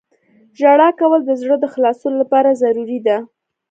• ژړا کول د زړه د خلاصون لپاره ضروري ده.